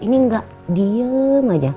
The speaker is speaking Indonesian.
ini gak diem aja